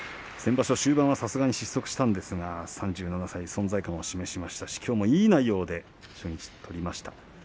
終盤は、さすがに失速しましたが３７歳存在感を示しましたしきょうもいい内容で初日を取りました。